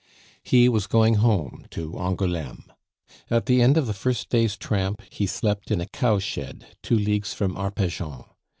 He was going home to Angouleme. At the end of the first day's tramp he slept in a cowshed, two leagues from Arpajon.